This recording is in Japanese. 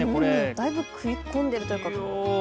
だいぶ食い込んでいるというか。